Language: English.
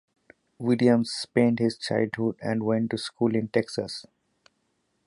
William spend his childhood and went to school in Texas.